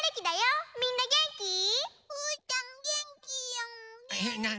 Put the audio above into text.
うーたんげんきよげんき。